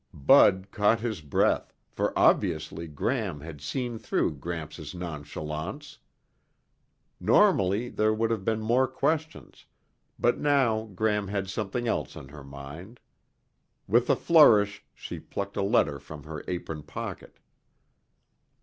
Bud caught his breath, for obviously Gram had seen through Gramps' nonchalance. Normally there would have been more questions, but now Gram had something else on her mind. With a flourish, she plucked a letter from her apron pocket.